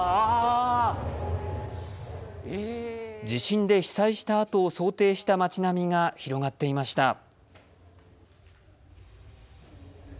地震で被災したあとを想定した町並みが広がっていました。